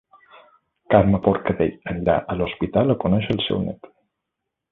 Carme Forcadell anirà a l'hospital a conèixer el seu nét